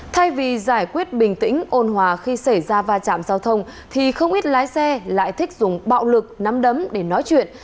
thay vì giải quyết bình tĩnh ôn hòa khi xảy ra va chạm giao thông thì không ít lái xe lại thích dùng bạo lực nắm đấm để nói chuyện